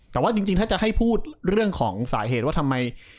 แต่ถ้าพูดเรื่องของสาเหตุทำไม